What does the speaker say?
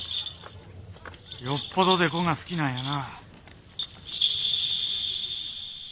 よっぽど木偶が好きなんやな。